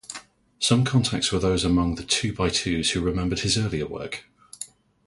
Some contacts were those among the Two by Twos who remembered his earlier work.